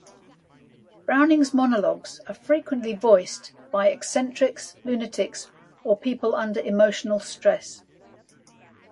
Browning's monologues are frequently voiced by eccentrics, lunatics, or people under emotional stress.